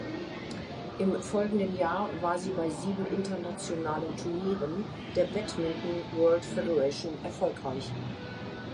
Im folgenden Jahr war sie bei sieben internationalen Turnieren der Badminton World Federation erfolgreich.